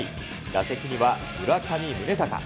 打席には村上宗隆。